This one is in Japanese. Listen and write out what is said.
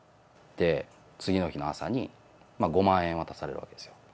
次の日の朝に５万円渡されるわけですよ。